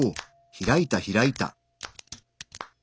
開いた開いた！